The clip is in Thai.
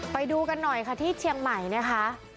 ไปดูกันหน่อยค่ะที่เชียงใหม่นะคะ